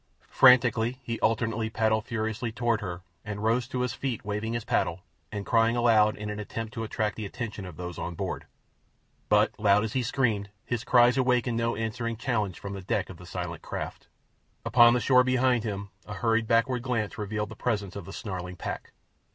Frantically he alternately paddled furiously toward her and rose to his feet waving his paddle and crying aloud in an attempt to attract the attention of those on board. But loud as he screamed his cries awakened no answering challenge from the deck of the silent craft. Upon the shore behind him a hurried backward glance revealed the presence of the snarling pack.